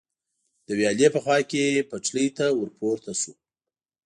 د ویالې په خوا کې پټلۍ ته ور پورته شو.